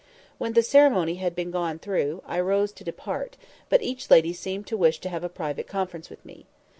When the ceremony had been gone through, I rose to depart; but each lady seemed to wish to have a private conference with me.